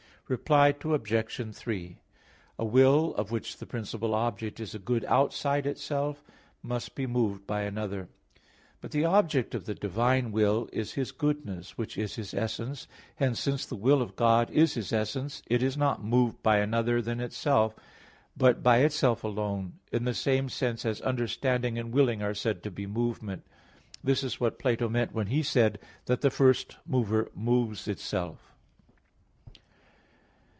Reply Obj. 3: A will of which the principal object is a good outside itself, must be moved by another; but the object of the divine will is His goodness, which is His essence. Hence, since the will of God is His essence, it is not moved by another than itself, but by itself alone, in the same sense as understanding and willing are said to be movement. This is what Plato meant when he said that the first mover moves itself.